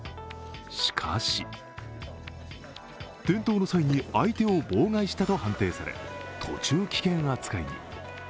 しかし転倒の際に相手を妨害したと判定され途中棄権扱いに。